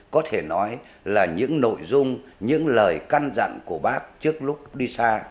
có thể nói là những nội dung những lời căn dặn của bác trước lúc đi xa